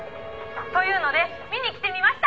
「というので見に来てみました」